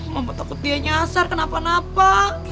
membuat takut dia nyasar kenapa napa